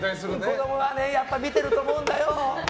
子供が見てると思うんだよ。